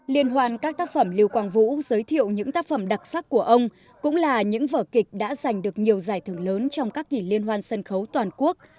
liên hoan các tác phẩm lưu quang vũ giới thiệu những tác phẩm đặc sắc của ông cũng là những vở kịch đã giành được nhiều giải thưởng lớn trong các kỷ liên hoàn sân khấu toàn quốc